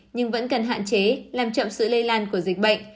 nhưng vẫn cần hạn chế làm chậm sự lây lan của dịch bệnh